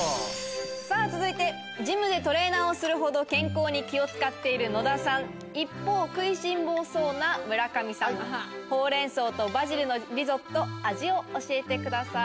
続いてジムでトレーナーをするほど健康に気を使っている野田さん一方食いしん坊そうな村上さんほうれん草とバジルのリゾット味を教えてください。